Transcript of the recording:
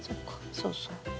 そうそう。